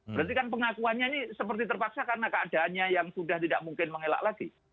berarti kan pengakuannya ini seperti terpaksa karena keadaannya yang sudah tidak mungkin mengelak lagi